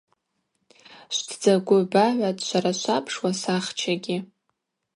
Швтдзагвы багӏватӏ швара швапш уасахчагьи.